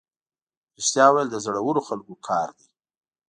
رښتیا ویل د زړورو خلکو کار دی.